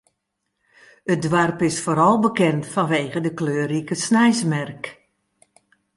It doarp is foaral bekend fanwege de kleurrike sneinsmerk.